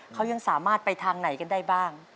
เขายังสามารถไปทางไหนกันได้บ้าง